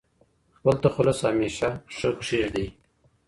خپل تخلص همېشه ښه کښېږدئ.